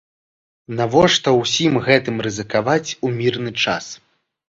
Навошта ўсім гэтым рызыкаваць у мірны час?